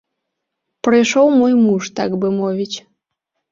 Прыйшоў мой муж, так бы мовіць.